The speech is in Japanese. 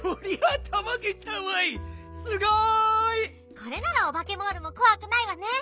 これならオバケモールもこわくないわね！